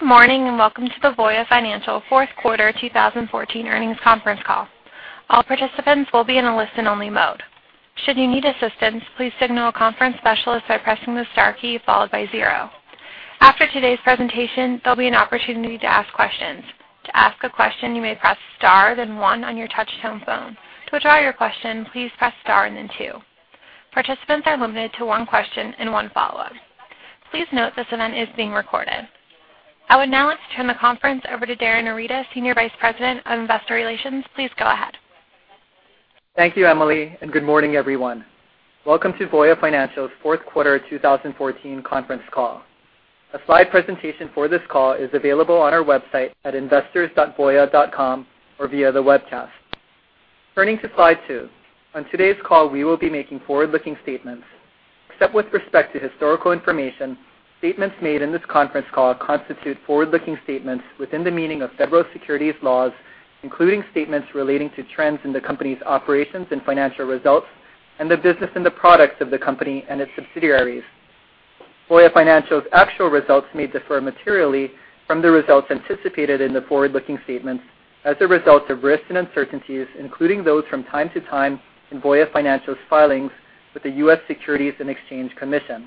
Good morning. Welcome to the Voya Financial fourth quarter 2014 earnings conference call. All participants will be in a listen-only mode. Should you need assistance, please signal a conference specialist by pressing the star key followed by 0. After today's presentation, there will be an opportunity to ask questions. To ask a question, you may press star, then 1 on your touch-tone phone. To withdraw your question, please press star and then 2. Participants are limited to one question and one follow-up. Please note this event is being recorded. I would now like to turn the conference over to Darin Arita, Senior Vice President of Investor Relations. Please go ahead. Thank you, Emily. Good morning, everyone. Welcome to Voya Financial's fourth quarter 2014 conference call. A slide presentation for this call is available on our website at investors.voya.com or via the webcast. Turning to slide two. On today's call, we will be making forward-looking statements. Except with respect to historical information, statements made in this conference call constitute forward-looking statements within the meaning of federal securities laws, including statements relating to trends in the company's operations and financial results and the business and the products of the company and its subsidiaries. Voya Financial's actual results may differ materially from the results anticipated in the forward-looking statements as a result of risks and uncertainties, including those from time to time in Voya Financial's filings with the U.S. Securities and Exchange Commission.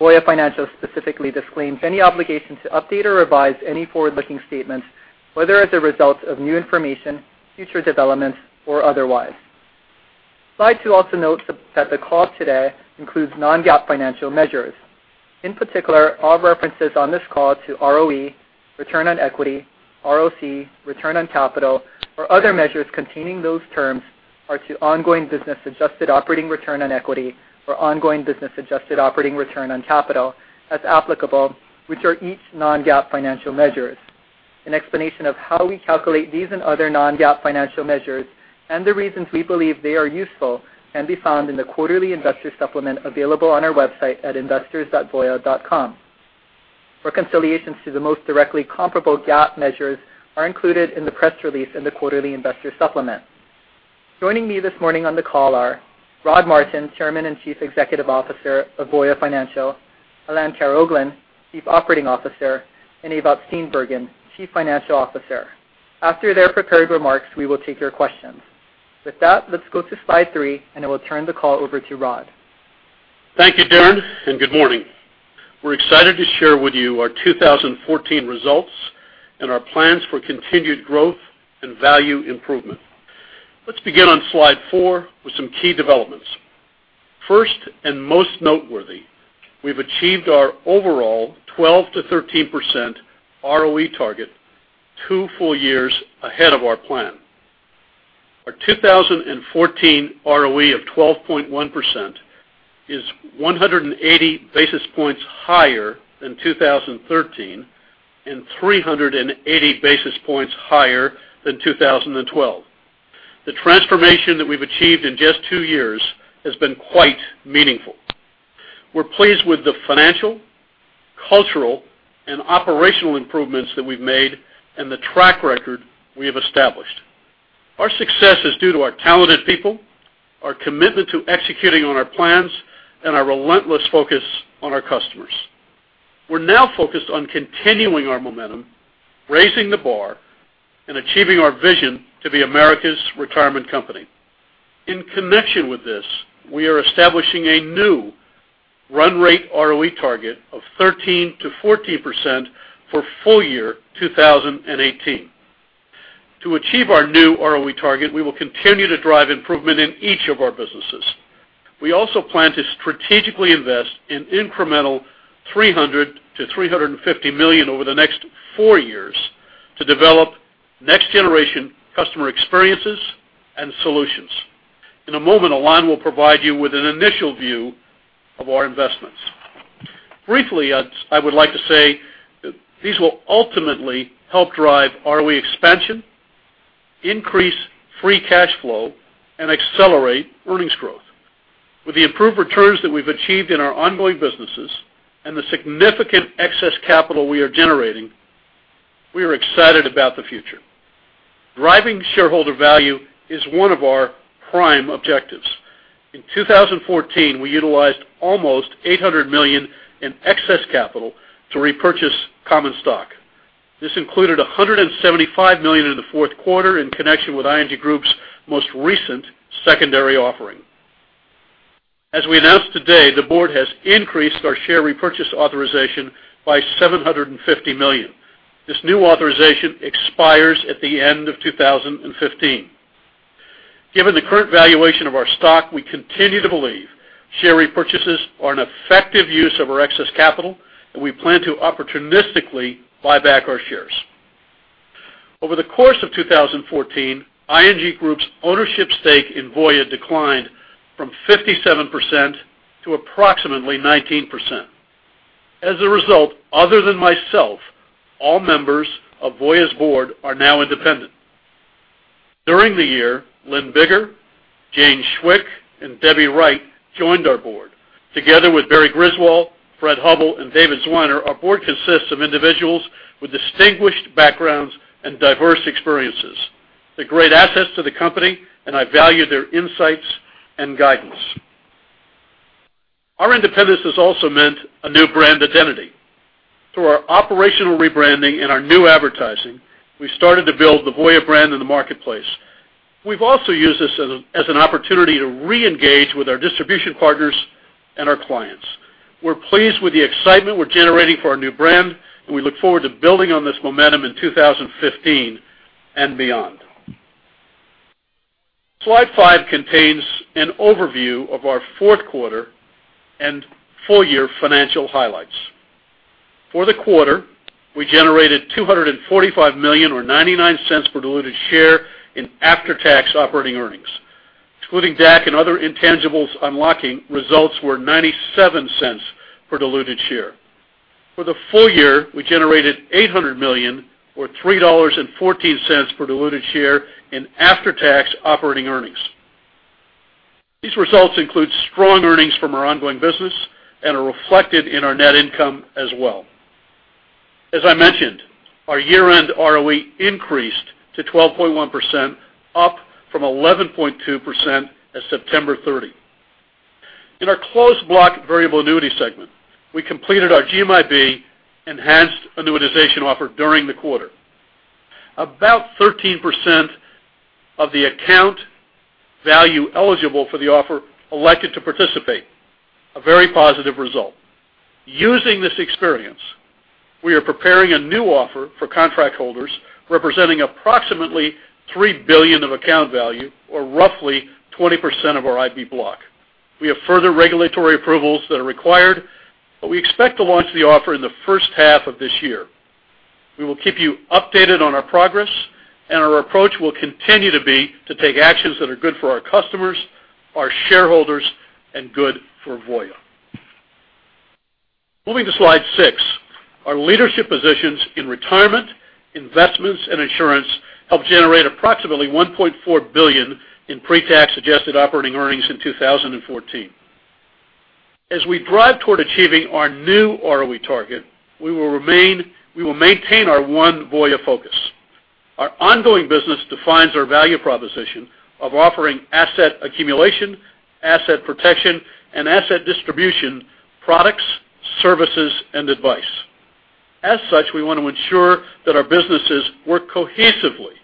Voya Financial specifically disclaims any obligation to update or revise any forward-looking statements, whether as a result of new information, future developments, or otherwise. Slide two also notes that the call today includes non-GAAP financial measures. In particular, all references on this call to ROE, return on equity, ROC, return on capital, or other measures containing those terms are to ongoing business adjusted operating return on equity or ongoing business adjusted operating return on capital, as applicable, which are each non-GAAP financial measures. An explanation of how we calculate these and other non-GAAP financial measures and the reasons we believe they are useful can be found in the quarterly investor supplement available on our website at investors.voya.com. Reconciliations to the most directly comparable GAAP measures are included in the press release in the quarterly investor supplement. Joining me this morning on the call are Rod Martin, Chairman and Chief Executive Officer of Voya Financial, Alain Karaoglan, Chief Operating Officer, and Ewout Steenbergen, Chief Financial Officer. After their prepared remarks, we will take your questions. With that, let's go to slide three. I will turn the call over to Rod. Thank you, Darin, and good morning. We're excited to share with you our 2014 results and our plans for continued growth and value improvement. Let's begin on slide four with some key developments. First and most noteworthy, we've achieved our overall 12%-13% ROE target two full years ahead of our plan. Our 2014 ROE of 12.1% is 180 basis points higher than 2013 and 380 basis points higher than 2012. The transformation that we've achieved in just two years has been quite meaningful. We're pleased with the financial, cultural, and operational improvements that we've made and the track record we have established. Our success is due to our talented people, our commitment to executing on our plans, and our relentless focus on our customers. We're now focused on continuing our momentum, raising the bar, and achieving our vision to be America's retirement company. In connection with this, we are establishing a new run rate ROE target of 13%-14% for full year 2018. To achieve our new ROE target, we will continue to drive improvement in each of our businesses. We also plan to strategically invest an incremental $300 million-$350 million over the next four years to develop next generation customer experiences and solutions. In a moment, Alain will provide you with an initial view of our investments. Briefly, I would like to say these will ultimately help drive ROE expansion, increase free cash flow, and accelerate earnings growth. With the improved returns that we've achieved in our ongoing businesses and the significant excess capital we are generating, we are excited about the future. Driving shareholder value is one of our prime objectives. In 2014, we utilized almost $800 million in excess capital to repurchase common stock. This included $175 million in the fourth quarter in connection with ING Group's most recent secondary offering. As we announced today, the board has increased our share repurchase authorization by $750 million. This new authorization expires at the end of 2015. Given the current valuation of our stock, we continue to believe share repurchases are an effective use of our excess capital, and we plan to opportunistically buy back our shares. Over the course of 2014, ING Group's ownership stake in Voya declined from 57% to approximately 19%. As a result, other than myself, all members of Voya's board are now independent. During the year, Lynne Biggar, Jane Chwick, and Debbie Wright joined our board. Together with Barry Griswell, Fred Hubbell, and David Zwiener, our board consists of individuals with distinguished backgrounds and diverse experiences. They're great assets to the company, and I value their insights and guidance. Our independence has also meant a new brand identity. Through our operational rebranding and our new advertising, we started to build the Voya brand in the marketplace. We've also used this as an opportunity to reengage with our distribution partners and our clients. We're pleased with the excitement we're generating for our new brand, and we look forward to building on this momentum in 2015 and beyond. Slide five contains an overview of our fourth quarter and full year financial highlights. For the quarter, we generated $245 million or $0.99 per diluted share in after-tax operating earnings. Excluding DAC and other intangibles, unlocking results were $0.97 per diluted share. For the full year, we generated $800 million or $3.14 per diluted share in after-tax operating earnings. These results include strong earnings from our ongoing business and are reflected in our net income as well. As I mentioned, our year-end ROE increased to 12.1%, up from 11.2% as September 30. In our Closed Block Variable Annuity Segment, we completed our GMIB enhanced annuitization offer during the quarter. About 13% of the account value eligible for the offer elected to participate, a very positive result. Using this experience, we are preparing a new offer for contract holders representing approximately $3 billion of account value or roughly 20% of our in-force block. We have further regulatory approvals that are required, but we expect to launch the offer in the first half of this year. We will keep you updated on our progress, and our approach will continue to be to take actions that are good for our customers, our shareholders, and good for Voya. Moving to slide six. Our leadership positions in Retirement, Investment Management, and insurance helped generate approximately $1.4 billion in pre-tax adjusted operating earnings in 2014. As we drive toward achieving our new ROE target, we will maintain our one Voya focus. Our ongoing business defines our value proposition of offering asset accumulation, asset protection, and asset distribution products, services, and advice. As such, we want to ensure that our businesses work cohesively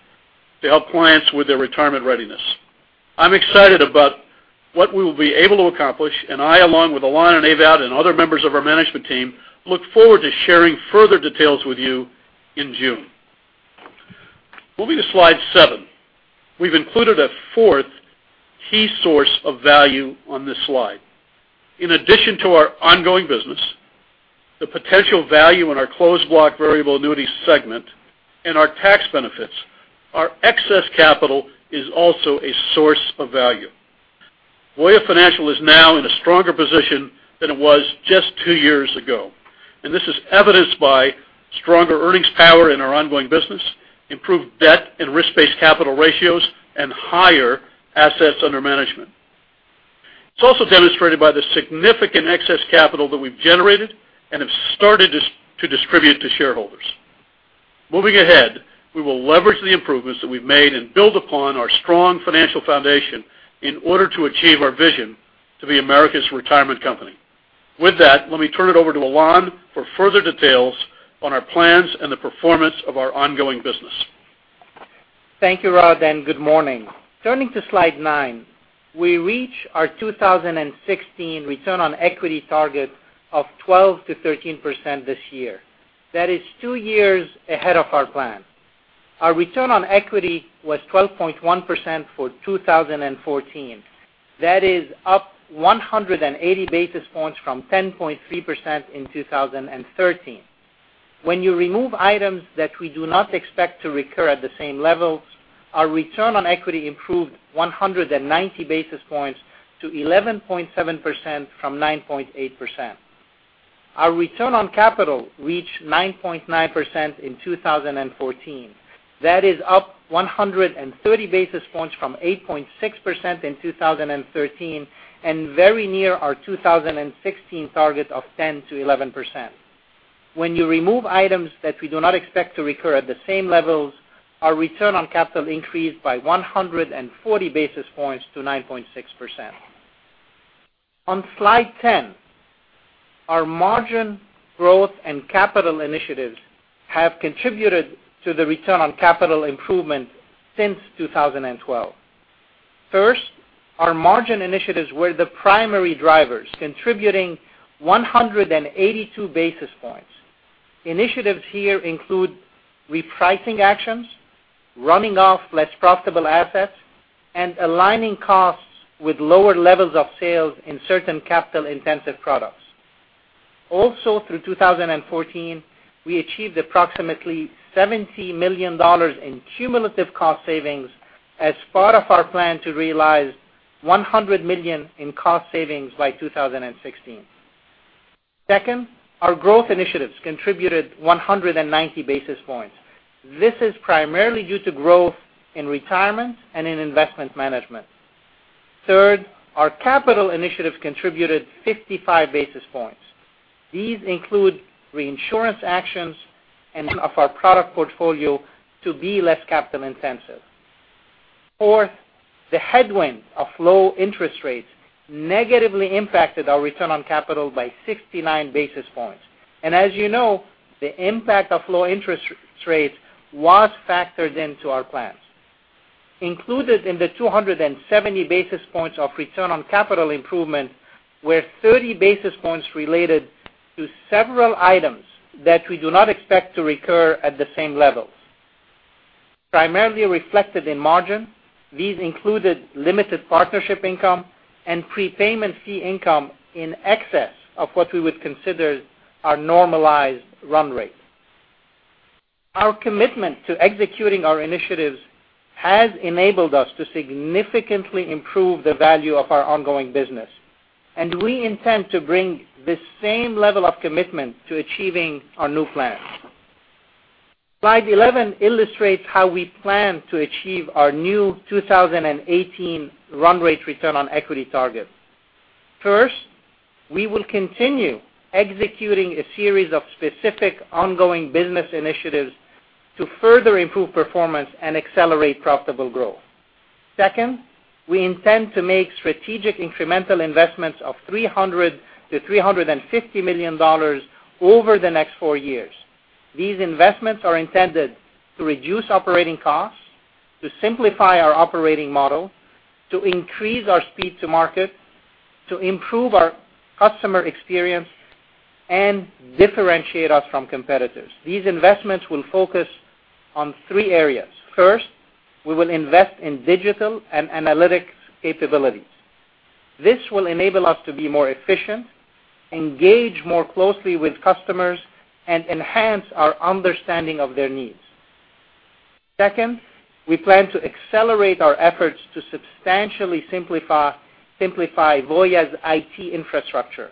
to help clients with their retirement readiness. I'm excited about what we will be able to accomplish, and I, along with Alain and Ewout and other members of our management team, look forward to sharing further details with you in June. Moving to slide seven. We've included a fourth key source of value on this slide. In addition to our ongoing business, the potential value in our Closed Block Variable Annuity Segment, and our tax benefits, our excess capital is also a source of value. Voya Financial is now in a stronger position than it was just two years ago, and this is evidenced by stronger earnings power in our ongoing business, improved debt and risk-based capital ratios, and higher assets under management. It's also demonstrated by the significant excess capital that we've generated and have started to distribute to shareholders. Moving ahead, we will leverage the improvements that we've made and build upon our strong financial foundation in order to achieve our vision to be America's retirement company. With that, let me turn it over to Alain for further details on our plans and the performance of our ongoing business. Thank you, Rod, good morning. Turning to slide nine, we reach our 2016 return on equity target of 12%-13% this year. That is two years ahead of our plan. Our return on equity was 12.1% for 2014. That is up 180 basis points from 10.3% in 2013. When you remove items that we do not expect to recur at the same levels, our return on equity improved 190 basis points to 11.7% from 9.8%. Our return on capital reached 9.9% in 2014. That is up 130 basis points from 8.6% in 2013 and very near our 2016 target of 10%-11%. When you remove items that we do not expect to recur at the same levels, our return on capital increased by 140 basis points to 9.6%. On slide 10, our margin growth and capital initiatives have contributed to the return on capital improvement since 2012. First, our margin initiatives were the primary drivers, contributing 182 basis points. Initiatives here include repricing actions, running off less profitable assets, and aligning costs with lower levels of sales in certain capital-intensive products. Also, through 2014, we achieved approximately $70 million in cumulative cost savings as part of our plan to realize $100 million in cost savings by 2016. Second, our growth initiatives contributed 190 basis points. This is primarily due to growth in Retirement and in Investment Management. Third, our capital initiatives contributed 55 basis points. These include reinsurance actions and of our product portfolio to be less capital intensive. Fourth, the headwind of low interest rates negatively impacted our return on capital by 69 basis points. As you know, the impact of low interest rates was factored into our plans. Included in the 270 basis points of return on capital improvement were 30 basis points related to several items that we do not expect to recur at the same level. Primarily reflected in margin, these included limited partnership income and prepayment fee income in excess of what we would consider our normalized run rate. Our commitment to executing our initiatives has enabled us to significantly improve the value of our ongoing business, and we intend to bring the same level of commitment to achieving our new plan. Slide 11 illustrates how we plan to achieve our new 2018 run rate return on equity target. First, we will continue executing a series of specific ongoing business initiatives to further improve performance and accelerate profitable growth. Second, we intend to make strategic incremental investments of $300 million to $350 million over the next four years. These investments are intended to reduce operating costs, to simplify our operating model, to increase our speed to market, to improve our customer experience, and differentiate us from competitors. These investments will focus on three areas. First, we will invest in digital and analytic capabilities. This will enable us to be more efficient, engage more closely with customers, and enhance our understanding of their needs. Second, we plan to accelerate our efforts to substantially simplify Voya's IT infrastructure.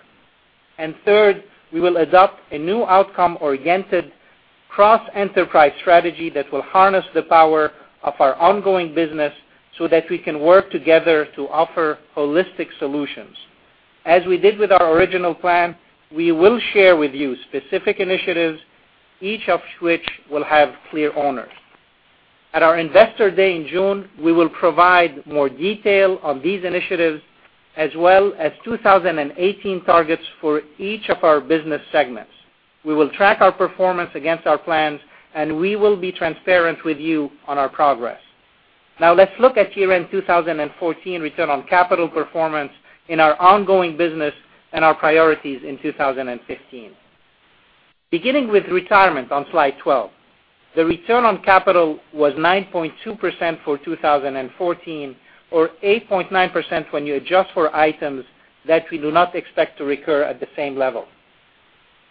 Third, we will adopt a new outcome-oriented cross-enterprise strategy that will harness the power of our ongoing business so that we can work together to offer holistic solutions. As we did with our original plan, we will share with you specific initiatives, each of which will have clear owners. At our investor day in June, we will provide more detail on these initiatives, as well as 2018 targets for each of our business segments. We will track our performance against our plans, and we will be transparent with you on our progress. Now let's look at year-end 2014 return on capital performance in our ongoing business and our priorities in 2015. Beginning with Retirement on slide 12, the return on capital was 9.2% for 2014, or 8.9% when you adjust for items that we do not expect to recur at the same level.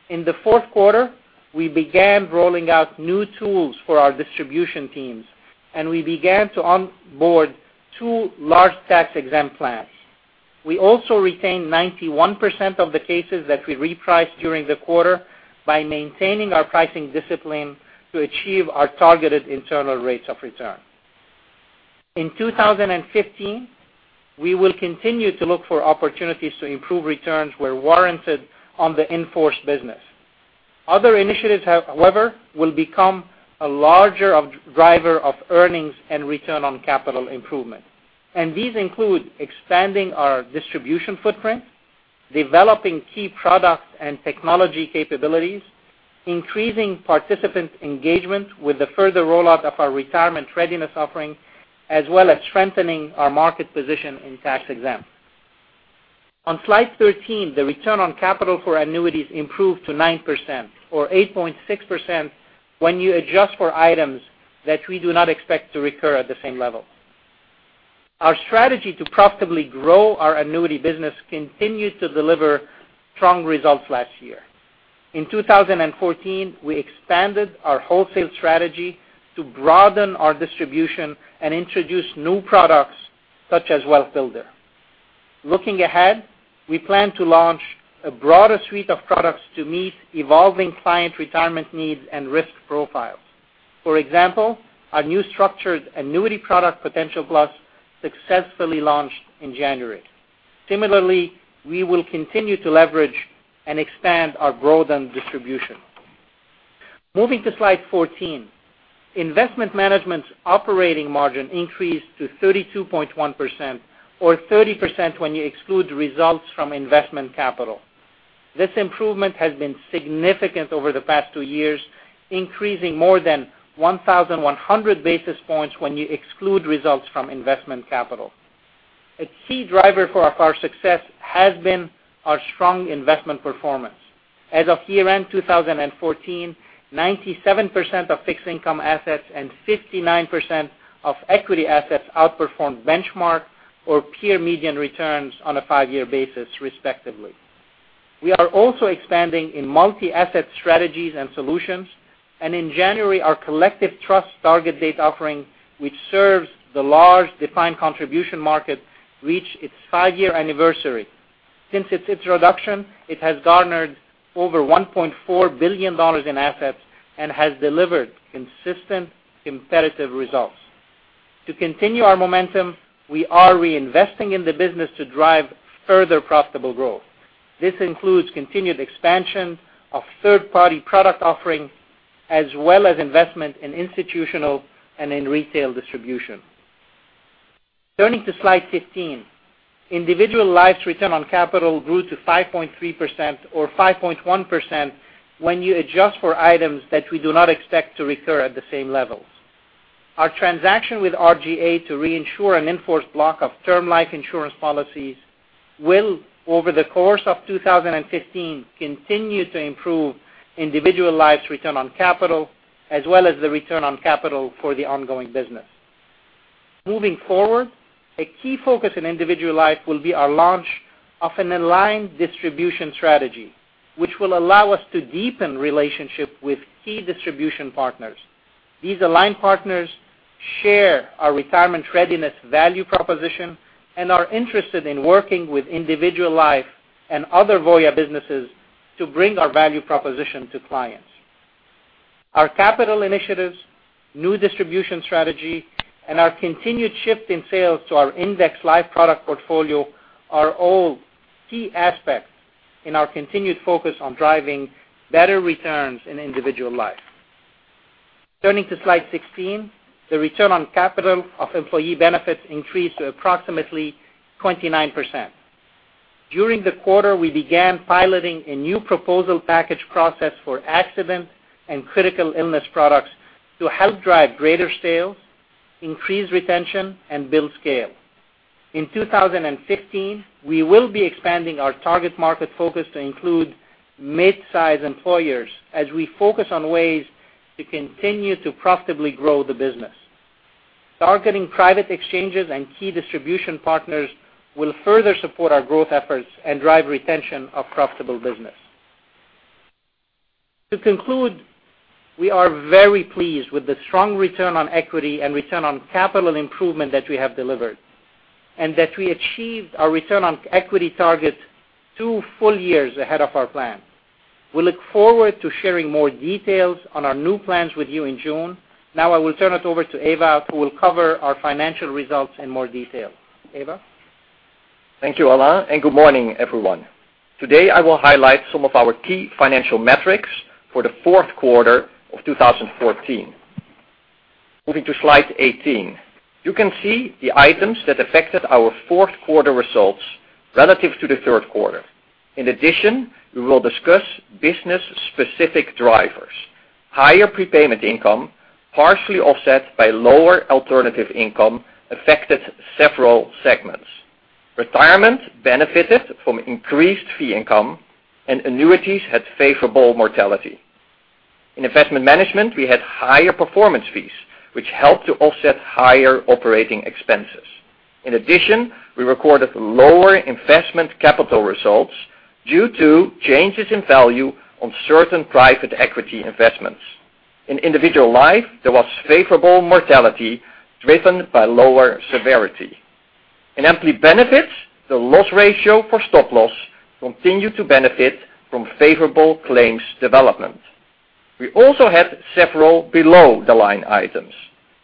In the fourth quarter, we began rolling out new tools for our distribution teams, and we began to onboard two large tax-exempt plans. We also retained 91% of the cases that we repriced during the quarter by maintaining our pricing discipline to achieve our targeted internal rates of return. In 2015, we will continue to look for opportunities to improve returns where warranted on the in-force business. Other initiatives, however, will become a larger driver of earnings and return on capital improvement. These include expanding our distribution footprint, developing key products and technology capabilities, increasing participant engagement with the further rollout of our retirement readiness offering, as well as strengthening our market position in tax exempt. On slide 13, the return on capital for Annuities improved to 9%, or 8.6% when you adjust for items that we do not expect to recur at the same level. Our strategy to profitably grow our Annuities business continued to deliver strong results last year. In 2014, we expanded our wholesale strategy to broaden our distribution and introduce new products such as Voya Wealth Builder. Looking ahead, we plan to launch a broader suite of products to meet evolving client retirement needs and risk profiles. For example, our new structured annuity product, Voya PotentialPLUS, successfully launched in January. Similarly, we will continue to leverage and expand our growth and distribution. Moving to slide 14, Investment Management's operating margin increased to 32.1%, or 30% when you exclude results from investment capital. This improvement has been significant over the past two years, increasing more than 1,100 basis points when you exclude results from investment capital. A key driver for our success has been our strong investment performance. As of year-end 2014, 97% of fixed income assets and 59% of equity assets outperformed benchmark or peer median returns on a five-year basis, respectively. We are also expanding in multi-asset strategies and solutions. In January, our collective trust target date offering, which serves the large defined contribution market, reached its five-year anniversary. Since its introduction, it has garnered over $1.4 billion in assets and has delivered consistent, competitive results. To continue our momentum, we are reinvesting in the business to drive further profitable growth. This includes continued expansion of third-party product offerings as well as investment in institutional and in retail distribution. Turning to slide 15, Individual Life's return on capital grew to 5.3%, or 5.1% when you adjust for items that we do not expect to recur at the same levels. Our transaction with RGA to reinsure an in-force block of term life insurance policies will, over the course of 2015, continue to improve Individual Life's return on capital, as well as the return on capital for the ongoing business. Moving forward, a key focus in Individual Life will be our launch of an aligned distribution strategy, which will allow us to deepen relationships with key distribution partners. These aligned partners share our retirement readiness value proposition and are interested in working with Individual Life and other Voya businesses to bring our value proposition to clients. Our capital initiatives, new distribution strategy, and our continued shift in sales to our indexed life product portfolio are all key aspects in our continued focus on driving better returns in Individual Life. Turning to slide 16, the return on capital of Employee Benefits increased to approximately 29%. During the quarter, we began piloting a new proposal package process for accident and critical illness products to help drive greater sales, increase retention, and build scale. In 2015, we will be expanding our target market focus to include midsize employers as we focus on ways to continue to profitably grow the business. Targeting private exchanges and key distribution partners will further support our growth efforts and drive retention of profitable business. To conclude, we are very pleased with the strong return on equity and return on capital improvement that we have delivered, and that we achieved our return on equity target two full years ahead of our plan. We look forward to sharing more details on our new plans with you in June. Now I will turn it over to Ewout, who will cover our financial results in more detail. Ewout? Thank you, Alain, and good morning, everyone. Today, I will highlight some of our key financial metrics for the fourth quarter of 2014. Moving to slide 18. You can see the items that affected our fourth quarter results relative to the third quarter. In addition, we will discuss business-specific drivers. Higher prepayment income, partially offset by lower alternative income, affected several segments. Retirement benefited from increased fee income, and Annuities had favorable mortality. In Investment Management, we had higher performance fees, which helped to offset higher operating expenses. In addition, we recorded lower investment capital results due to changes in value on certain private equity investments. In Individual Life, there was favorable mortality driven by lower severity. In Employee Benefits, the loss ratio for Stop Loss continued to benefit from favorable claims development. We also had several below-the-line items.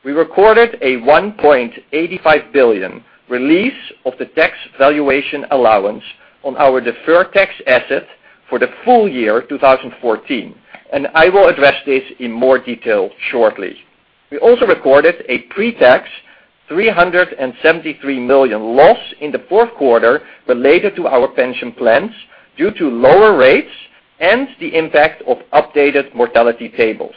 We recorded a $1.85 billion release of the tax valuation allowance on our deferred tax asset for the full year 2014. I will address this in more detail shortly. We also recorded a pretax $373 million loss in the fourth quarter related to our pension plans due to lower rates and the impact of updated mortality tables.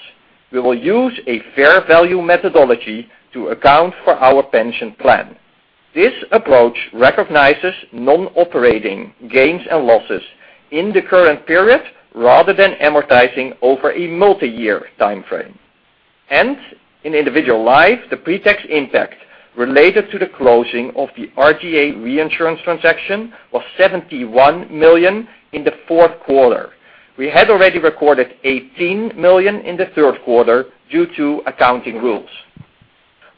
We will use a fair value methodology to account for our pension plan. This approach recognizes non-operating gains and losses in the current period rather than amortizing over a multiyear timeframe. In Individual Life, the pretax impact related to the closing of the RGA reinsurance transaction was $71 million in the fourth quarter. We had already recorded $18 million in the third quarter due to accounting rules.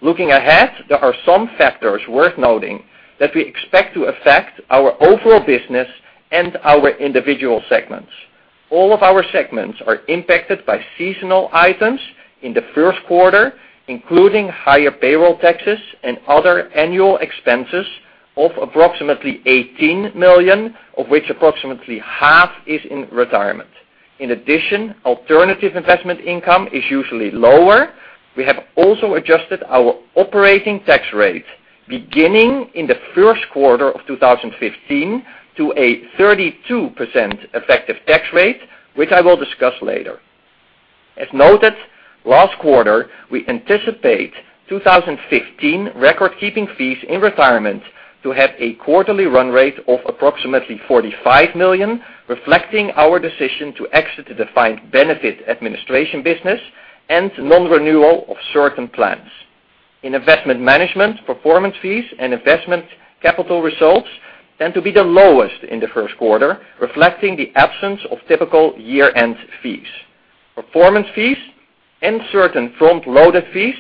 Looking ahead, there are some factors worth noting that we expect to affect our overall business and our individual segments. All of our segments are impacted by seasonal items in the first quarter, including higher payroll taxes and other annual expenses of approximately $18 million, of which approximately half is in Retirement. In addition, alternative investment income is usually lower. We have also adjusted our operating tax rate beginning in the first quarter of 2015 to a 32% effective tax rate, which I will discuss later. As noted last quarter, we anticipate 2015 recordkeeping fees in Retirement to have a quarterly run rate of approximately $45 million, reflecting our decision to exit the defined benefit administration business and non-renewal of certain plans. In Investment Management, performance fees and investment capital results tend to be the lowest in the first quarter, reflecting the absence of typical year-end fees. Performance fees and certain front-loaded fees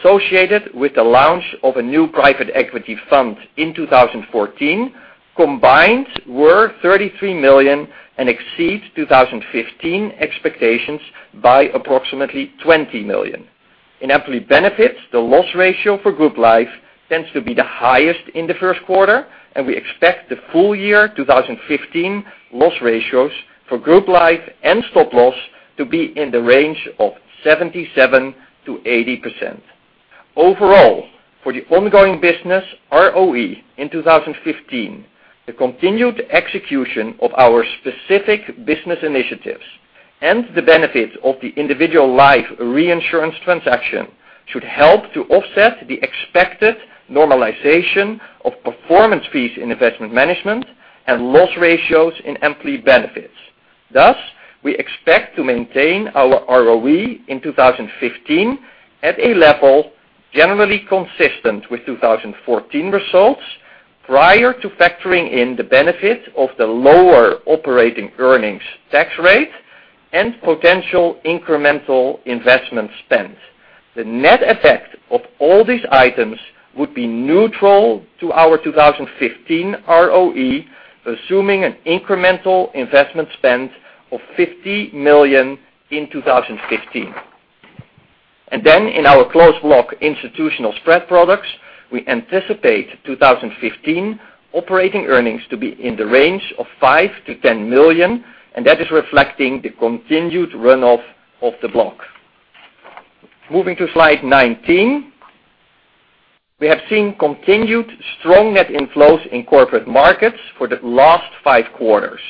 associated with the launch of a new private equity fund in 2014 combined were $33 million and exceed 2015 expectations by approximately $20 million. In Employee Benefits, the loss ratio for Group Life tends to be the highest in the first quarter, we expect the full year 2015 loss ratios for Group Life and Stop Loss to be in the range of 77%-80%. Overall, for the ongoing business ROE in 2015, the continued execution of our specific business initiatives and the benefits of the Individual Life reinsurance transaction should help to offset the expected normalization of performance fees in Investment Management and loss ratios in Employee Benefits. Thus, we expect to maintain our ROE in 2015 at a level generally consistent with 2014 results, prior to factoring in the benefit of the lower operating earnings tax rate and potential incremental investment spend. The net effect of all these items would be neutral to our 2015 ROE, assuming an incremental investment spend of $50 million in 2015. In our Closed Block institutional spread products, we anticipate 2015 operating earnings to be in the range of $5 million-$10 million, that is reflecting the continued runoff of the block. Moving to slide 19. We have seen continued strong net inflows in corporate markets for the last five quarters.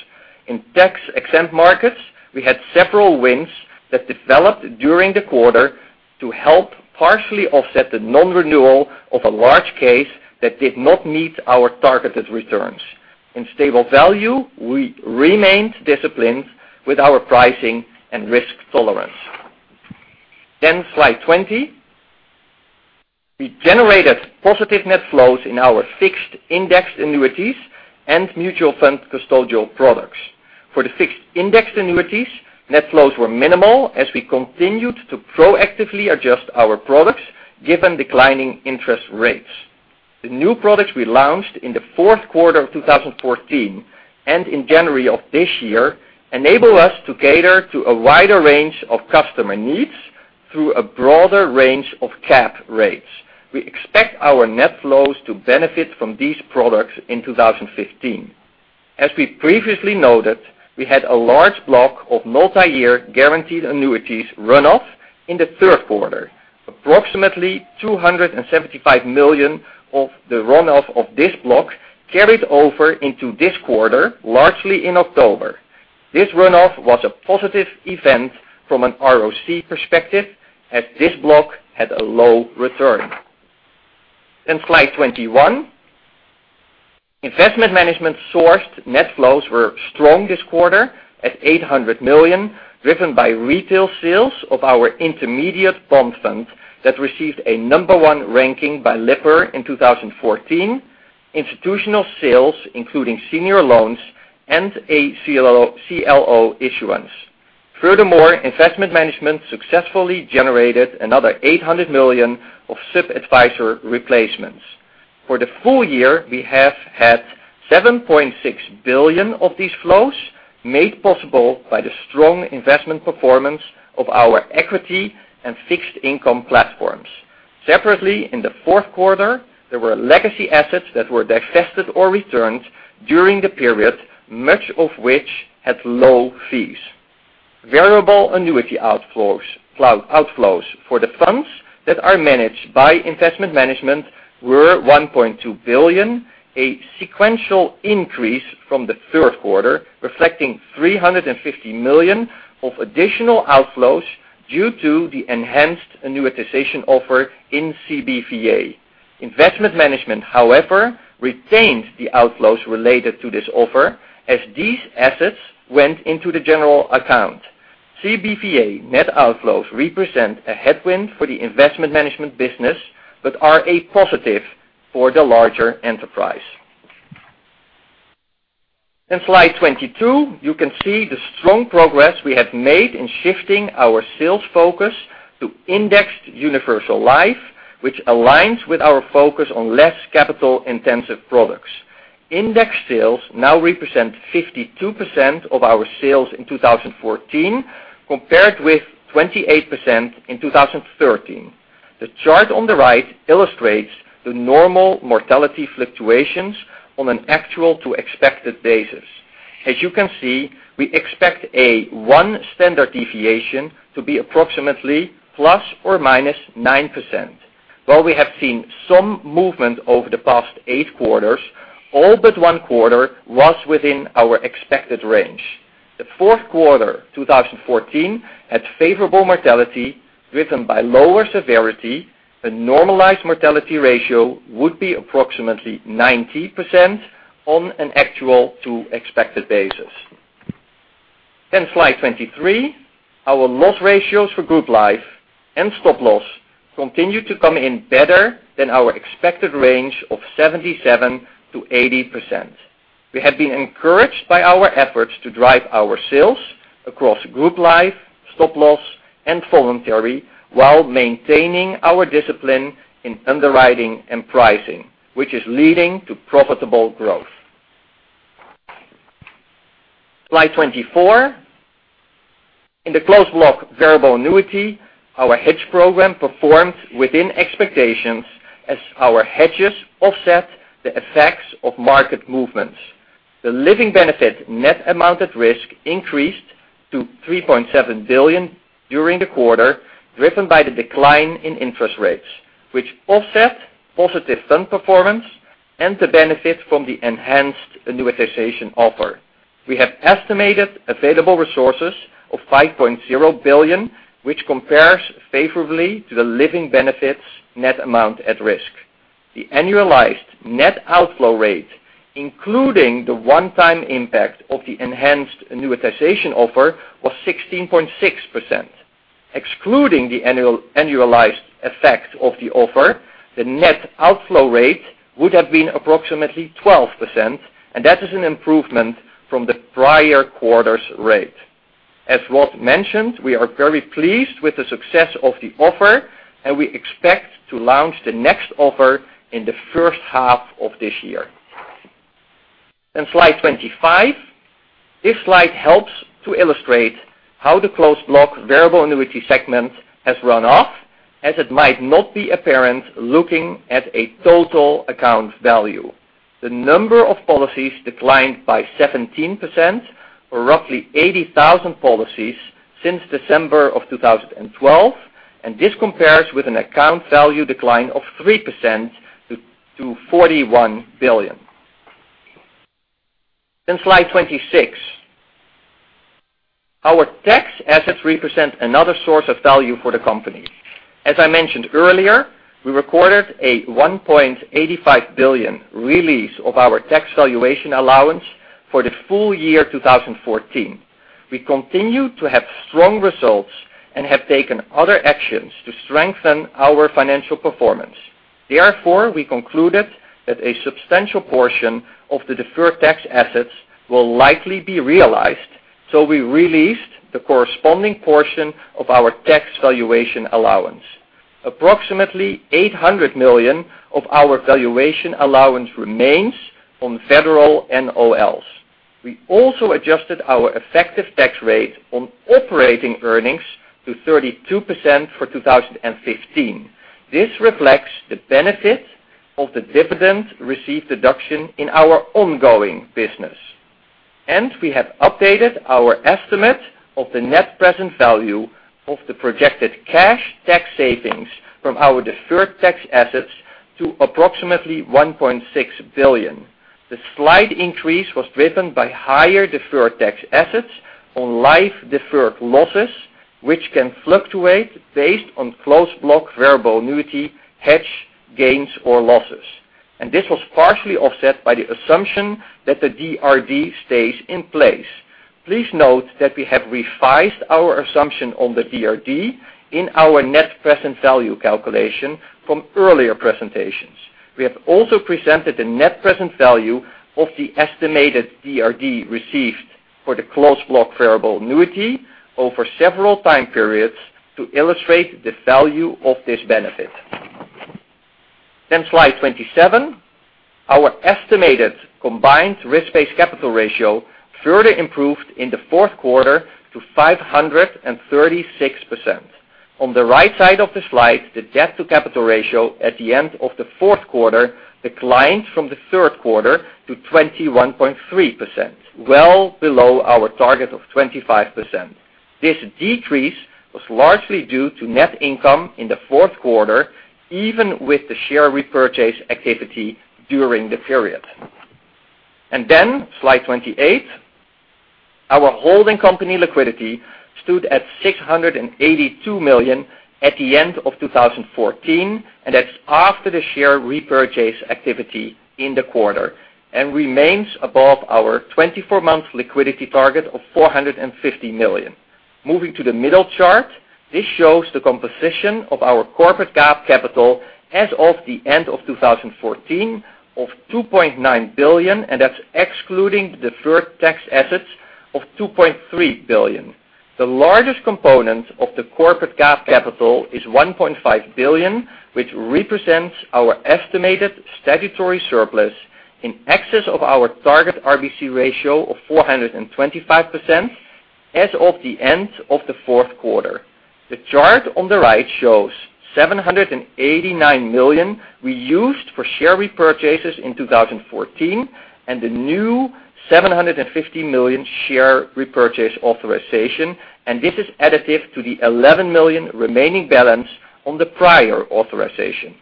In tax-exempt markets, we had several wins that developed during the quarter to help partially offset the non-renewal of a large case that did not meet our targeted returns. In stable value, we remained disciplined with our pricing and risk tolerance. Slide 20. We generated positive net flows in our fixed indexed annuities and mutual fund custodial products. For the fixed indexed annuities, net flows were minimal as we continued to proactively adjust our products given declining interest rates. The new products we launched in the fourth quarter of 2014 and in January of this year enable us to cater to a wider range of customer needs through a broader range of cap rates. We expect our net flows to benefit from these products in 2015. As we previously noted, we had a large block of multi-year guaranteed annuities run off in the third quarter. Approximately $275 million of the runoff of this block carried over into this quarter, largely in October. This runoff was a positive event from an ROC perspective, as this block had a low return. Slide 21. Investment Management sourced net flows were strong this quarter at $800 million, driven by retail sales of our intermediate bond fund that received a number one ranking by Lipper in 2014, institutional sales, including senior loans and a CLO issuance. Furthermore, Investment Management successfully generated another $800 million of sub-adviser replacements. For the full year, we have had $7.6 billion of these flows, made possible by the strong investment performance of our equity and fixed income platforms. Separately, in the fourth quarter, there were legacy assets that were divested or returned during the period, much of which had low fees. Variable annuity outflows for the funds that are managed by Investment Management were $1.2 billion, a sequential increase from the third quarter, reflecting $350 million of additional outflows due to the enhanced annuitization offer in CBVA. Investment Management, however, retained the outflows related to this offer, as these assets went into the general account. CBVA net outflows represent a headwind for the Investment Management business, but are a positive for the larger enterprise. Slide 22. You can see the strong progress we have made in shifting our sales focus to indexed universal life, which aligns with our focus on less capital-intensive products. Indexed sales now represent 52% of our sales in 2014, compared with 28% in 2013. The chart on the right illustrates the normal mortality fluctuations on an actual to expected basis. As you can see, we expect a one standard deviation to be approximately ±9%. While we have seen some movement over the past eight quarters, all but one quarter was within our expected range. The fourth quarter 2014 had favorable mortality driven by lower severity. The normalized mortality ratio would be approximately 90% on an actual to expected basis. Slide 23. Our loss ratios for Group Life and Stop Loss continue to come in better than our expected range of 77%-80%. We have been encouraged by our efforts to drive our sales across Group Life, Stop Loss, and voluntary while maintaining our discipline in underwriting and pricing, which is leading to profitable growth. Slide 24. In the closed block variable annuity, our hedge program performed within expectations as our hedges offset the effects of market movements. The living benefit net amount at risk increased to $3.7 billion during the quarter, driven by the decline in interest rates, which offset positive fund performance and the benefit from the enhanced annuitization offer. We have estimated available resources of $5.0 billion, which compares favorably to the living benefits net amount at risk. The annualized net outflow rate, including the one-time impact of the enhanced annuitization offer, was 16.6%. Excluding the annualized effect of the offer, the net outflow rate would have been approximately 12%, and that is an improvement from the prior quarter's rate. As was mentioned, we are very pleased with the success of the offer, and we expect to launch the next offer in the first half of this year. Slide 25. This slide helps to illustrate how the closed block variable annuity segment has run off, as it might not be apparent looking at a total account value. The number of policies declined by 17%, or roughly 80,000 policies since December of 2012, and this compares with an account value decline of 3% to $41 billion. Slide 26. Our tax assets represent another source of value for the company. As I mentioned earlier, we recorded a $1.85 billion release of our tax valuation allowance for the full year 2014. We continue to have strong results and have taken other actions to strengthen our financial performance. Therefore, we concluded that a substantial portion of the Deferred Tax Assets will likely be realized, so we released the corresponding portion of our tax valuation allowance. Approximately $800 million of our valuation allowance remains on federal NOLs. We also adjusted our effective tax rate on operating earnings to 32% for 2015. This reflects the benefit of the dividend received deduction in our ongoing business. We have updated our estimate of the net present value of the projected cash tax savings from our Deferred Tax Assets to approximately $1.6 billion. The slight increase was driven by higher Deferred Tax Assets on life deferred losses, which can fluctuate based on closed block variable annuity hedge gains or losses. This was partially offset by the assumption that the DRD stays in place. Please note that we have revised our assumption on the DRD in our net present value calculation from earlier presentations. We have also presented the net present value of the estimated DRD received for the closed block variable annuity over several time periods to illustrate the value of this benefit. Slide 27. Our estimated combined risk-based capital ratio further improved in the fourth quarter to 536%. On the right side of the slide, the debt to capital ratio at the end of the fourth quarter declined from the third quarter to 21.3%, well below our target of 25%. This decrease was largely due to net income in the fourth quarter, even with the share repurchase activity during the period. Slide 28. Our holding company liquidity stood at $682 million at the end of 2014, and that's after the share repurchase activity in the quarter, and remains above our 24-month liquidity target of $450 million. Moving to the middle chart, this shows the composition of our corporate GAAP capital as of the end of 2014 of $2.9 billion, and that's excluding Deferred Tax Assets of $2.3 billion. The largest component of the corporate GAAP capital is $1.5 billion, which represents our estimated statutory surplus in excess of our target RBC ratio of 425% as of the end of the fourth quarter. The chart on the right shows $789 million we used for share repurchases in 2014 and the new $750 million share repurchase authorization, and this is additive to the $11 million remaining balance on the prior authorization.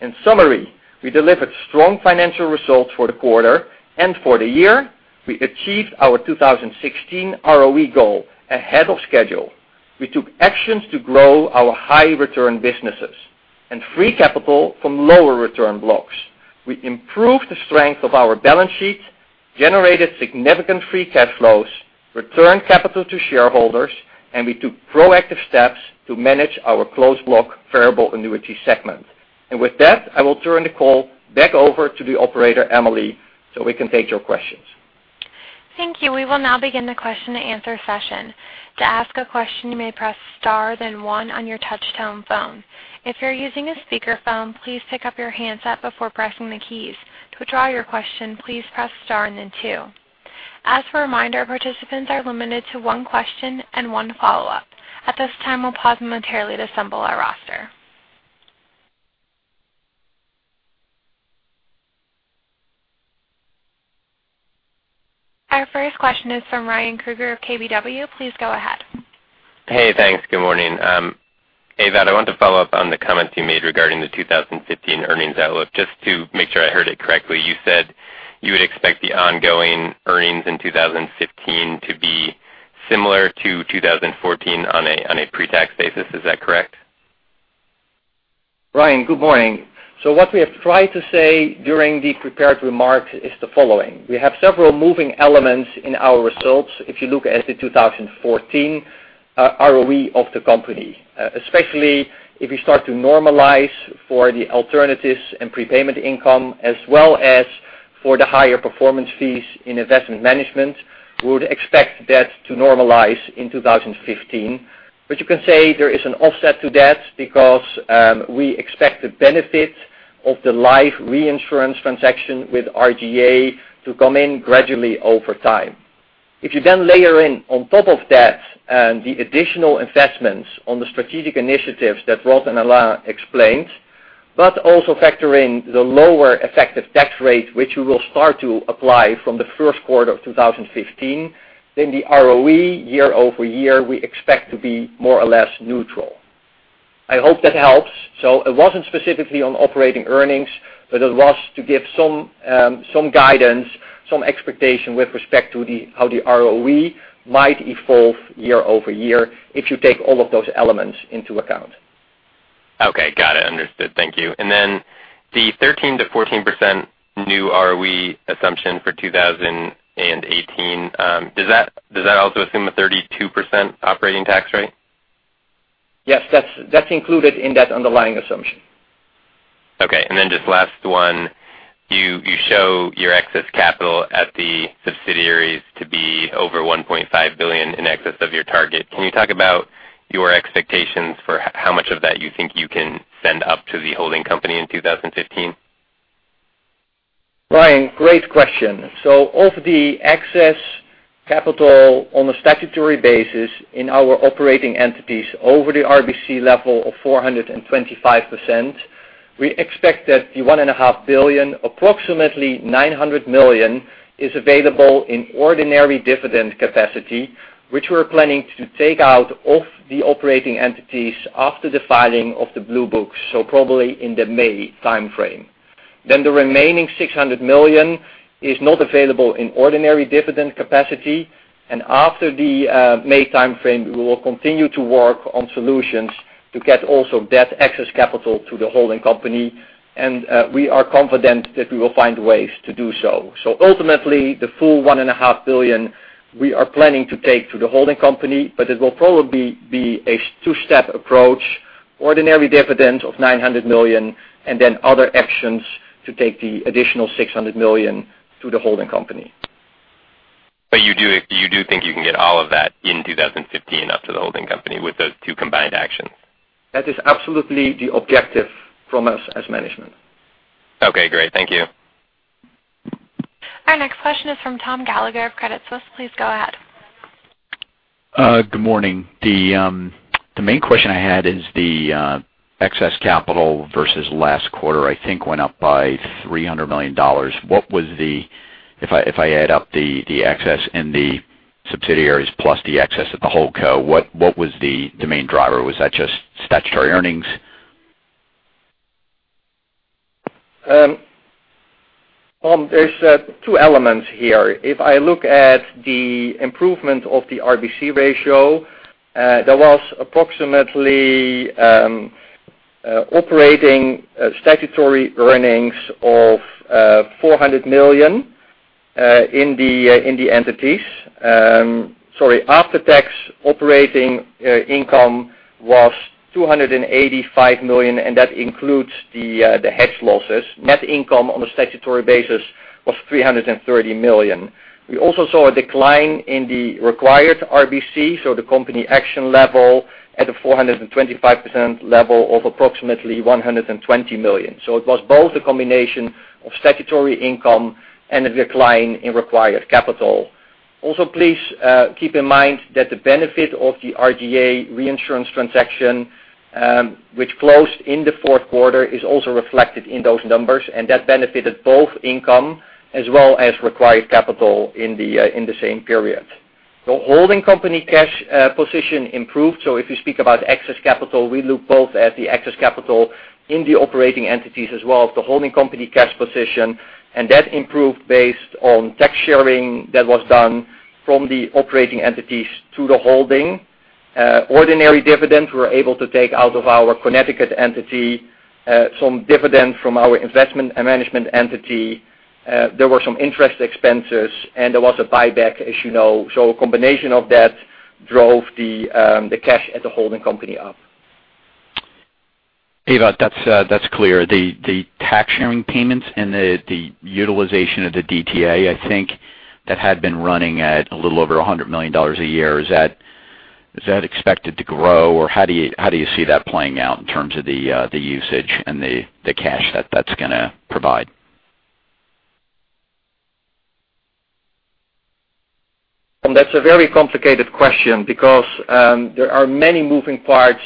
In summary, we delivered strong financial results for the quarter and for the year. We achieved our 2016 ROE goal ahead of schedule. We took actions to grow our high return businesses and free capital from lower return blocks. We improved the strength of our balance sheet, generated significant free cash flows, returned capital to shareholders, and we took proactive steps to manage our closed block variable annuity segment. With that, I will turn the call back over to the operator, Emily, so we can take your questions. Thank you. We will now begin the question and answer session. To ask a question, you may press star then one on your touchtone phone. If you're using a speakerphone, please pick up your handset before pressing the keys. To withdraw your question, please press star then two. As a reminder, participants are limited to one question and one follow-up. At this time, we'll pause momentarily to assemble our roster. Our first question is from Ryan Krueger of KBW. Please go ahead. Hey, thanks. Good morning. Ewout, I want to follow up on the comments you made regarding the 2015 earnings outlook, just to make sure I heard it correctly. You said you would expect the ongoing earnings in 2015 to be similar to 2014 on a pre-tax basis. Is that correct? Ryan, good morning. What we have tried to say during the prepared remarks is the following. We have several moving elements in our results if you look at the 2014 ROE of the company. Especially if you start to normalize for the alternatives and prepayment income, as well as for the higher performance fees in Investment Management. We would expect that to normalize in 2015. You can say there is an offset to that because we expect the benefit of the life reinsurance transaction with RGA to come in gradually over time. If you then layer in on top of that the additional investments on the strategic initiatives that Rod and Alain explained, but also factor in the lower effective tax rate, which we will start to apply from the first quarter of 2015, the ROE year-over-year, we expect to be more or less neutral. I hope that helps. It wasn't specifically on operating earnings, but it was to give some guidance, some expectation with respect to how the ROE might evolve year-over-year if you take all of those elements into account. Okay. Got it. Understood. Thank you. The 13%-14% new ROE assumption for 2018, does that also assume a 32% operating tax rate? Yes. That's included in that underlying assumption. Okay. Just last one. You show your excess capital at the subsidiaries to be over $1.5 billion in excess of your target. Can you talk about your expectations for how much of that you think you can send up to the holding company in 2015? Ryan, great question. Of the excess capital on a statutory basis in our operating entities over the RBC level of 425%, we expect that the $1.5 billion, approximately $900 million is available in ordinary dividend capacity, which we're planning to take out of the operating entities after the filing of the Blue Books, probably in the May timeframe. The remaining $600 million is not available in ordinary dividend capacity, and after the May timeframe, we will continue to work on solutions to get also that excess capital to the holding company, and we are confident that we will find ways to do so. Ultimately, the full $1.5 billion we are planning to take to the holding company, but it will probably be a two-step approach. Ordinary dividends of $900 million, and then other actions to take the additional $600 million to the holding company. You do think you can get all of that in 2015 up to the holding company with those two combined actions? That is absolutely the objective from us as management. Okay, great. Thank you. Our next question is from Tom Gallagher of Credit Suisse. Please go ahead. Good morning. The main question I had is the excess capital versus last quarter, I think, went up by $300 million. If I add up the excess in the subsidiaries plus the excess at the holdco, what was the main driver? Was that just statutory earnings? Tom, there's two elements here. If I look at the improvement of the RBC ratio, there was approximately operating statutory earnings of $400 million in the entities. Sorry. After-tax operating income was $285 million, and that includes the hedge losses. Net income on a statutory basis was $330 million. We also saw a decline in the required RBC, so the company action level at a 425% level of approximately $120 million. It was both a combination of statutory income and a decline in required capital. Also, please keep in mind that the benefit of the RGA reinsurance transaction, which closed in the fourth quarter, is also reflected in those numbers, and that benefited both income as well as required capital in the same period. The holding company cash position improved. If you speak about excess capital, we look both at the excess capital in the operating entities as well as the holding company cash position, and that improved based on tax sharing that was done from the operating entities to the holding. Ordinary dividends we were able to take out of our Connecticut entity, some dividends from our Investment Management entity. There were some interest expenses, and there was a buyback, as you know. A combination of that drove the cash at the holding company up. Ewout, that's clear. The tax sharing payments and the utilization of the DTA, I think, that had been running at a little over $100 million a year. Is that expected to grow? Or how do you see that playing out in terms of the usage and the cash that that's going to provide? That's a very complicated question because there are many moving parts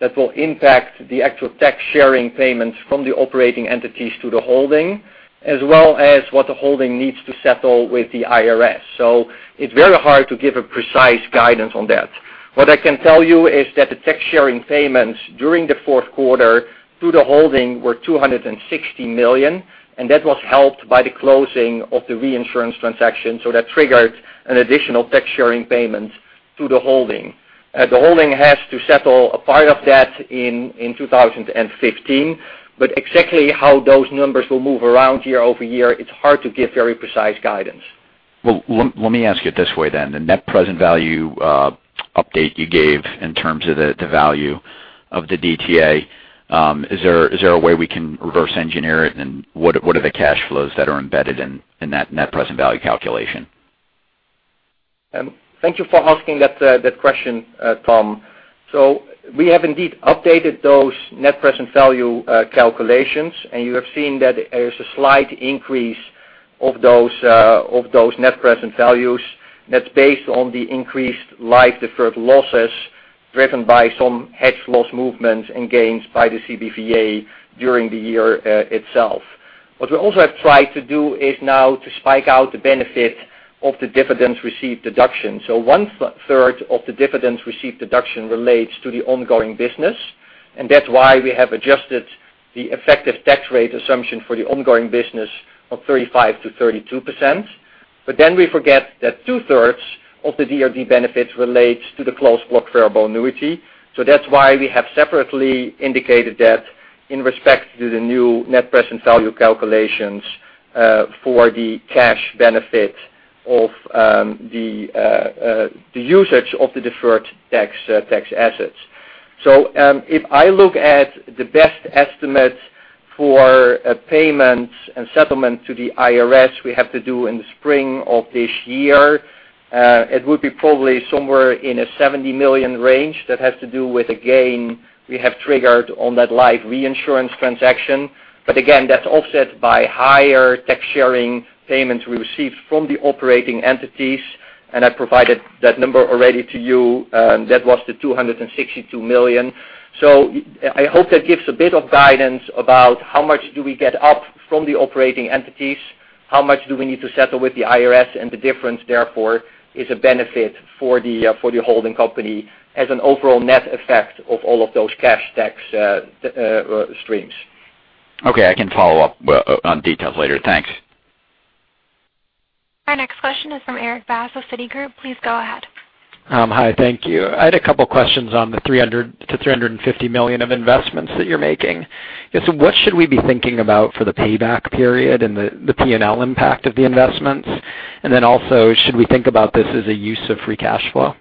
that will impact the actual tax sharing payments from the operating entities to the holding, as well as what the holding needs to settle with the IRS. It's very hard to give a precise guidance on that. What I can tell you is that the tax sharing payments during the fourth quarter to the holding were $260 million, and that was helped by the closing of the reinsurance transaction. That triggered an additional tax sharing payment to the holding. The holding has to settle a part of that in 2015. Exactly how those numbers will move around year-over-year, it's hard to give very precise guidance. Well, let me ask it this way then. The net present value update you gave in terms of the value of the DTA, is there a way we can reverse engineer it? What are the cash flows that are embedded in that net present value calculation? Thank you for asking that question, Tom. We have indeed updated those net present value calculations, and you have seen that there's a slight increase of those net present values. That's based on the increased life deferred losses, driven by some hedge loss movements and gains by the CBVA during the year itself. What we also have tried to do is now to spike out the benefit of the dividends received deduction. One-third of the dividends received deduction relates to the ongoing business, and that's why we have adjusted the effective tax rate assumption for the ongoing business of 35% to 32%. We forget that two-thirds of the DRD benefits relates to the closed block variable annuity. That's why we have separately indicated that in respect to the new net present value calculations for the cash benefit of the usage of the deferred tax assets. If I look at the best estimate for a payment and settlement to the IRS we have to do in the spring of this year, it would be probably somewhere in a $70 million range that has to do with a gain we have triggered on that life reinsurance transaction. Again, that's offset by higher tax sharing payments we received from the operating entities, and I provided that number already to you. That was the $262 million. I hope that gives a bit of guidance about how much do we get up from the operating entities, how much do we need to settle with the IRS, and the difference, therefore, is a benefit for the holding company as an overall net effect of all of those cash tax streams. Okay. I can follow up on details later. Thanks. Our next question is from Erik Bass of Citigroup. Please go ahead. Hi, thank you. I had a couple questions on the $300 million-$350 million of investments that you're making. Yeah, what should we be thinking about for the payback period and the P&L impact of the investments? Also, should we think about this as a use of free cash flow?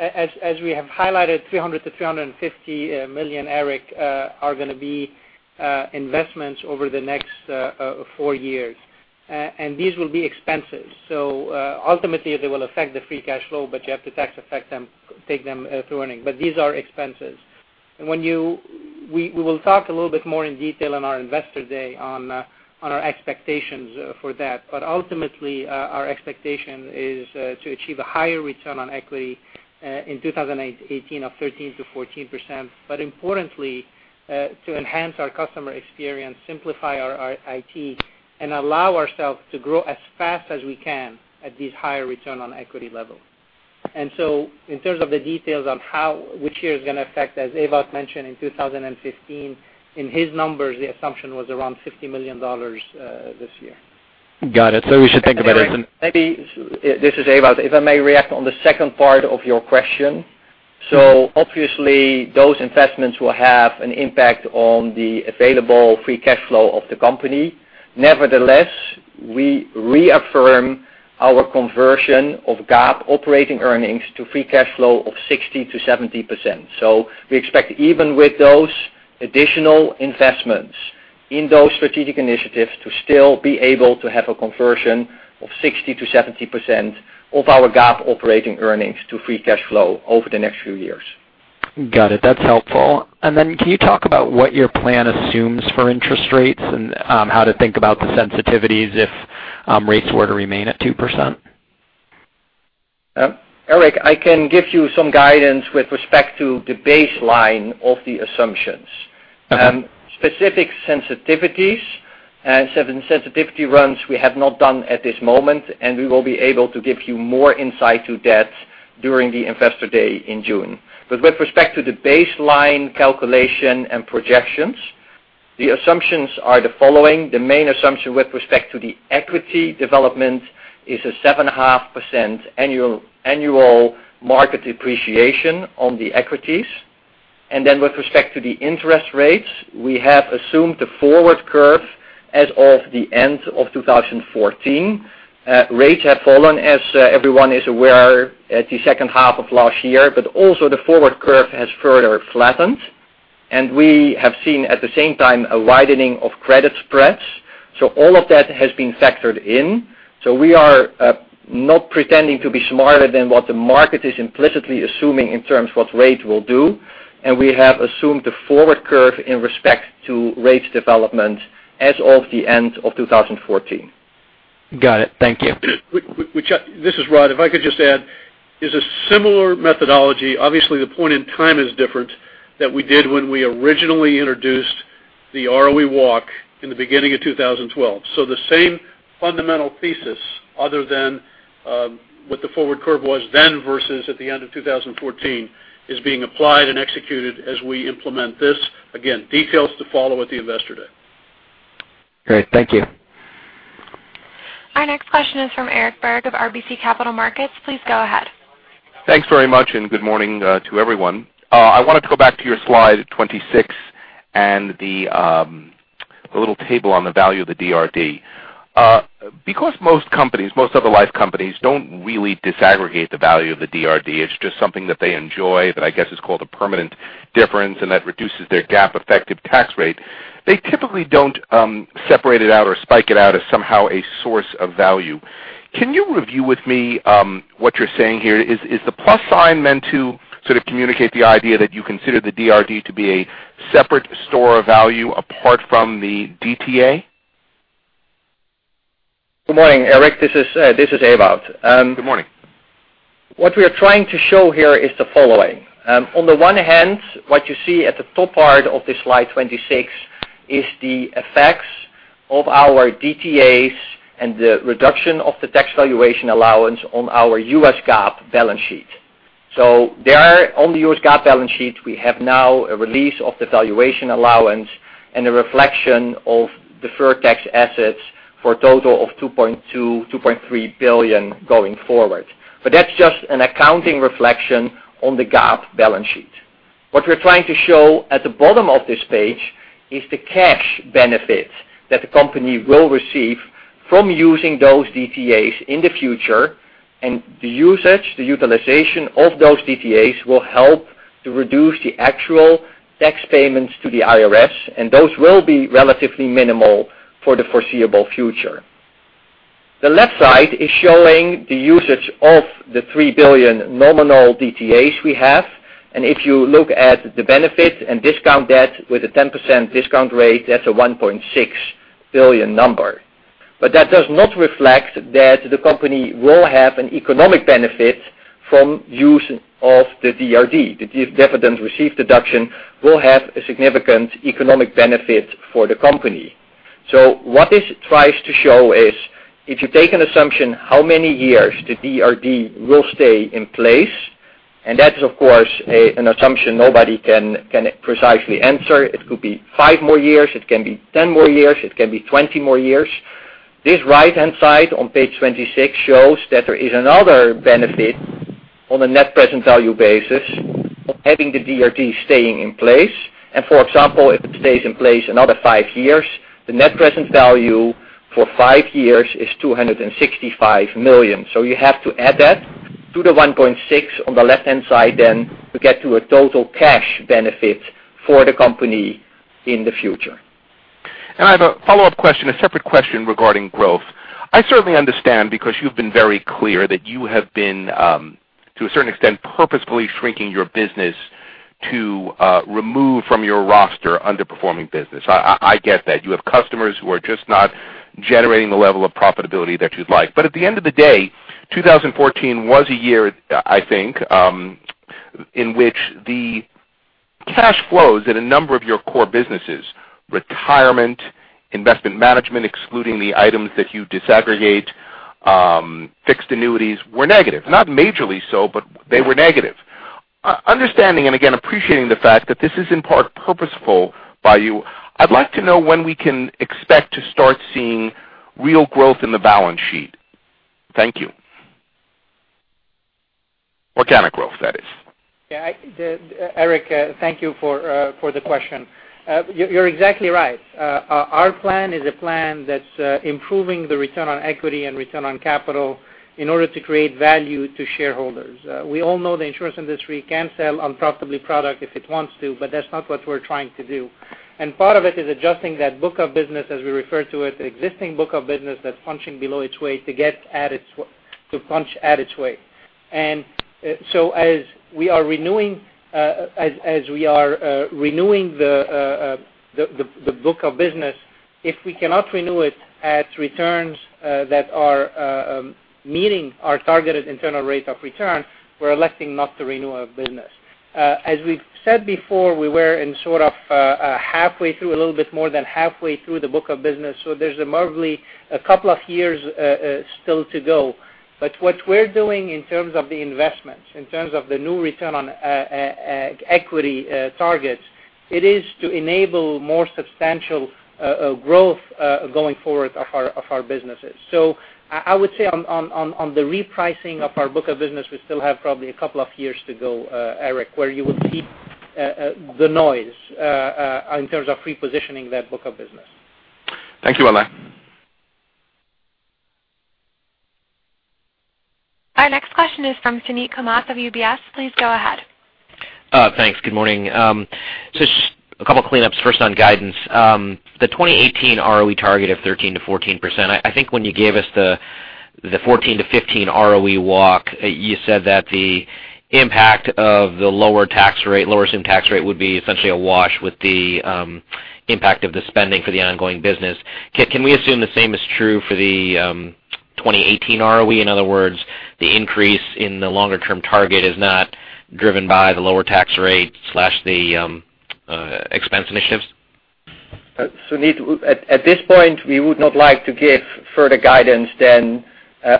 As we have highlighted, $300 million-$350 million, Erik, are going to be investments over the next four years. These will be expenses. Ultimately, they will affect the free cash flow, you have to tax effect them, take them through earning. These are expenses. We will talk a little bit more in detail on our Investor Day on our expectations for that. Ultimately, our expectation is to achieve a higher return on equity in 2018 of 13%-14%. Importantly, to enhance our customer experience, simplify our IT, and allow ourselves to grow as fast as we can at this higher return on equity level. In terms of the details on which year is going to affect, as Ewout mentioned, in 2015, in his numbers, the assumption was around $50 million this year. Got it. We should think about it as. Maybe, this is Ewout. If I may react on the second part of your question. Obviously those investments will have an impact on the available free cash flow of the company. Nevertheless, we reaffirm our conversion of GAAP operating earnings to free cash flow of 60%-70%. We expect even with those additional investments in those strategic initiatives to still be able to have a conversion of 60%-70% of our GAAP operating earnings to free cash flow over the next few years. Got it. That's helpful. Then can you talk about what your plan assumes for interest rates and how to think about the sensitivities if rates were to remain at 2%? Erik, I can give you some guidance with respect to the baseline of the assumptions. Okay. Specific sensitivities, sensitivity runs we have not done at this moment, we will be able to give you more insight to that during the Investor Day in June. With respect to the baseline calculation and projections, the assumptions are the following. The main assumption with respect to the equity development is a 7.5% annual market depreciation on the equities. Then with respect to the interest rates, we have assumed the forward curve as of the end of 2014. Rates have fallen, as everyone is aware, at the second half of last year. Also the forward curve has further flattened. We have seen at the same time a widening of credit spreads. All of that has been factored in. We are not pretending to be smarter than what the market is implicitly assuming in terms of what rates will do, and we have assumed a forward curve in respect to rates development as of the end of 2014. Got it. Thank you. This is Rod. If I could just add, it's a similar methodology. Obviously, the point in time is different than we did when we originally introduced the ROE walk in the beginning of 2012. The same fundamental thesis, other than what the forward curve was then versus at the end of 2014, is being applied and executed as we implement this. Again, details to follow at the investor day. Great. Thank you. Our next question is from Eric Berg of RBC Capital Markets. Please go ahead. Thanks very much, and good morning to everyone. I wanted to go back to your slide 26 and the little table on the value of the DRD. Most companies, most other life companies, don't really disaggregate the value of the DRD. It's just something that they enjoy that I guess is called a permanent difference, and that reduces their GAAP effective tax rate. They typically don't separate it out or spike it out as somehow a source of value. Can you review with me what you're saying here? Is the plus sign meant to sort of communicate the idea that you consider the DRD to be a separate store of value apart from the DTA? Good morning, Eric. This is Ewout. Good morning. What we are trying to show here is the following. On the one hand, what you see at the top part of this slide 26 is the effects of our DTAs and the reduction of the tax valuation allowance on our U.S. GAAP balance sheet. There on the U.S. GAAP balance sheet, we have now a release of the valuation allowance and a reflection of deferred tax assets for a total of $2.3 billion going forward. That's just an accounting reflection on the GAAP balance sheet. What we're trying to show at the bottom of this page is the cash benefit that the company will receive from using those DTAs in the future, and the usage, the utilization of those DTAs will help to reduce the actual tax payments to the IRS, and those will be relatively minimal for the foreseeable future. The left side is showing the usage of the $3 billion nominal DTAs we have. If you look at the benefit and discount that with a 10% discount rate, that's a $1.6 billion number. That does not reflect that the company will have an economic benefit from use of the DRD. The dividends received deduction will have a significant economic benefit for the company. What this tries to show is, if you take an assumption how many years the DRD will stay in place, and that's of course an assumption nobody can precisely answer. It could be five more years, it can be 10 more years, it can be 20 more years. This right-hand side on page 26 shows that there is another benefit on a net present value basis of having the DRD staying in place. For example, if it stays in place another five years, the net present value for five years is $265 million. You have to add that to the $1.6 on the left-hand side then to get to a total cash benefit for the company in the future. I have a follow-up question, a separate question regarding growth. I certainly understand because you've been very clear that you have been, to a certain extent, purposefully shrinking your business to remove from your roster underperforming business. I get that. You have customers who are just not generating the level of profitability that you'd like. At the end of the day, 2014 was a year, I think, in which the cash flows in a number of your core businesses, Retirement, Investment Management, excluding the items that you disaggregate, fixed Annuities were negative. Not majorly so, but they were negative. Understanding and again, appreciating the fact that this is in part purposeful by you, I'd like to know when we can expect to start seeing real growth in the balance sheet. Thank you. Organic growth, that is. Yeah. Eric, thank you for the question. You're exactly right. Our plan is a plan that's improving the return on equity and return on capital in order to create value to shareholders. We all know the insurance industry can sell unprofitable product if it wants to, but that's not what we're trying to do. Part of it is adjusting that book of business, as we refer to it, the existing book of business that's punching below its weight to punch at its weight. As we are renewing the book of business, if we cannot renew it at returns that are meeting our targeted internal rate of return, we're electing not to renew our business. As we've said before, we were in sort of a little bit more than halfway through the book of business. There's probably a couple of years still to go. What we're doing in terms of the investments, in terms of the new return on equity targets, it is to enable more substantial growth going forward of our businesses. I would say on the repricing of our book of business, we still have probably a couple of years to go, Eric, where you will see the noise in terms of repositioning that book of business. Thank you, Alain. Our next question is from Suneet Kamath of UBS. Please go ahead. Thanks. Good morning. Just a couple cleanups, first on guidance. The 2018 ROE target of 13%-14%, I think when you gave us the 14 to 15 ROE walk, you said that the impact of the lower tax rate, lower some tax rate would be essentially a wash with the impact of the spending for the ongoing business. Can we assume the same is true for the 2018 ROE? In other words, the increase in the longer-term target is not driven by the lower tax rate/the expense initiatives? Suneet, at this point, we would not like to give further guidance than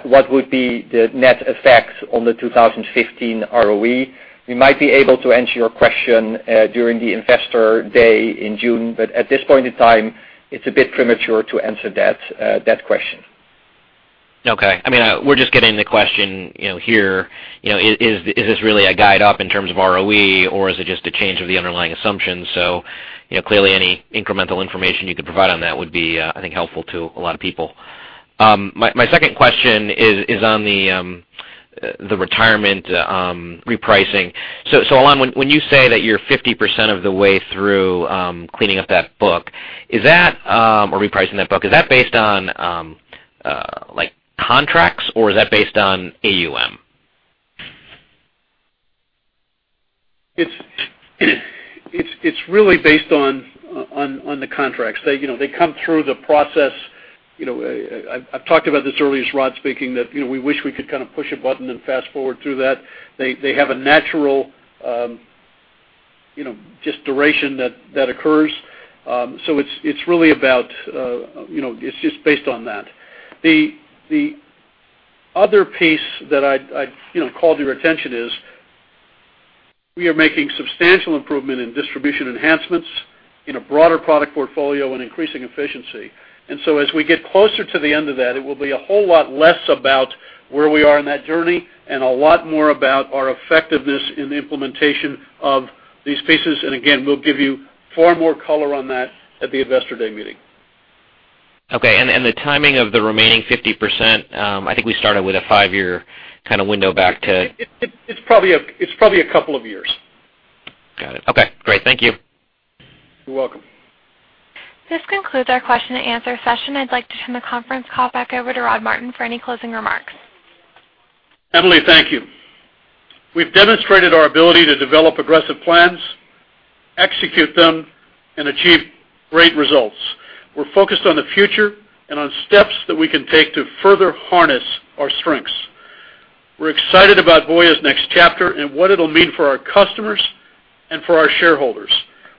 what would be the net effect on the 2015 ROE. We might be able to answer your question during the Investor Day in June, at this point in time, it's a bit premature to answer that question. Okay. We're just getting the question here. Is this really a guide up in terms of ROE or is it just a change of the underlying assumptions? Clearly, any incremental information you could provide on that would be, I think, helpful to a lot of people. My second question is on the Retirement repricing. Alain, when you say that you're 50% of the way through cleaning up that book or repricing that book, is that based on contracts or is that based on AUM? It's really based on the contracts. They come through the process. I've talked about this earlier as Rod speaking, that we wish we could kind of push a button and fast-forward through that. They have a natural just duration that occurs. It's just based on that. The other piece that I'd call to your attention is we are making substantial improvement in distribution enhancements in a broader product portfolio and increasing efficiency. As we get closer to the end of that, it will be a whole lot less about where we are in that journey and a lot more about our effectiveness in the implementation of these pieces. Again, we'll give you far more color on that at the Investor Day meeting. Okay, the timing of the remaining 50%, I think we started with a five-year kind of window. It's probably a couple of years. Got it. Okay, great. Thank you. You're welcome. This concludes our question and answer session. I'd like to turn the conference call back over to Rod Martin for any closing remarks. Emily, thank you. We've demonstrated our ability to develop aggressive plans, execute them, and achieve great results. We're focused on the future and on steps that we can take to further harness our strengths. We're excited about Voya's next chapter and what it'll mean for our customers and for our shareholders.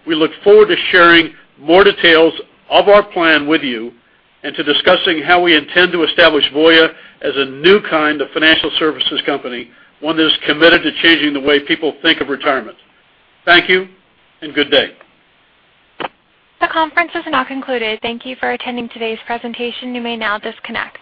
We look forward to sharing more details of our plan with you and to discussing how we intend to establish Voya as a new kind of financial services company, one that is committed to changing the way people think of retirement. Thank you and good day. The conference is now concluded. Thank you for attending today's presentation. You may now disconnect.